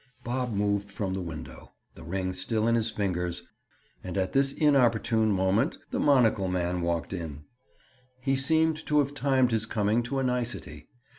Bob moved from the window, the ring still in his fingers, and at this inopportune moment, the monocle man walked in. He seemed to have timed his coming to a nicety.